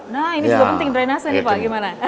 nah ini sudah penting drainase nih pak gimana